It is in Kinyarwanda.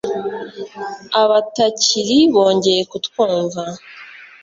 abatakiri bongeye kutwumva